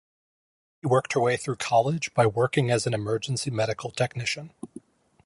Maggie worked her way through college, by working as an Emergency medical technician.